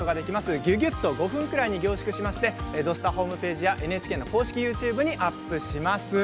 ぎゅぎゅっと５分くらいに凝縮しまして「土スタ」ホームページやＮＨＫ公式ＹｏｕＴｕｂｅにアップします。